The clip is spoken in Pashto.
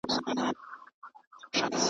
پاچهي د جهان ورکړې نه مړیږي.